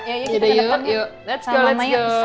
yuk yuk let's go let's go